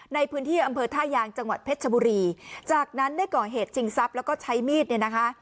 ในพื้นที่อำเภอท่ายางจังหวัดเพชรชบุรีจากนั้นได้ก่อเหตุชิงทรัพย์แล้วก็ใช้มีดเนี่ยนะคะ